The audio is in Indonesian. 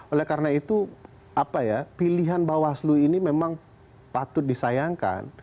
oleh karena itu pilihan bawaslu ini memang patut disayangkan